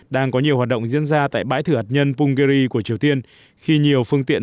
đang có nhiều hoạt động diễn ra tại bãi thử hạt nhân punggiri của triều tiên khi nhiều phương tiện